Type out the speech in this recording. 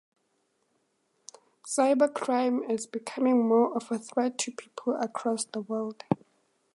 Cyber-crime is becoming more of a threat to people across the world.